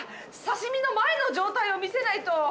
刺身の前の状態を見せないと！